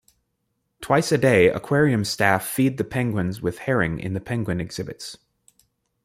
Twice a day Aquarium staff feed the penguins with herring in the Penguin exhibits.